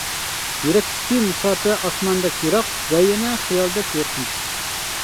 يۈرەكتىكى مۇساپە ئاسماندەك يىراق، ۋە يەنە خىيالدەك يېقىن.